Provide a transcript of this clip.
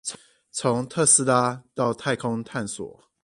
從特斯拉到太空探索